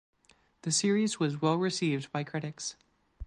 The series was well received by critics.